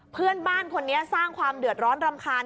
เพื่อนบ้านคนนี้สร้างความเดือดร้อนรำคาญ